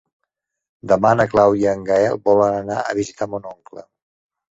Demà na Clàudia i en Gaël volen anar a visitar mon oncle.